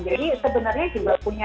jadi sebenarnya juga punya